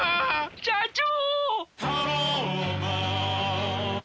社長！